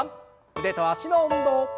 腕と脚の運動。